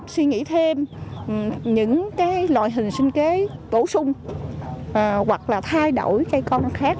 suy nghĩ thêm những cái loại hình sinh kế bổ sung hoặc là thay đổi cây con khác